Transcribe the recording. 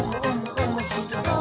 おもしろそう！」